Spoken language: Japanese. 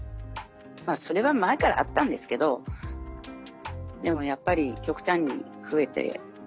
まあそれは前からあったんですけどでもやっぱり極端に増えて。